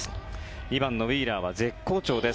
２番のウィーラーは絶好調です。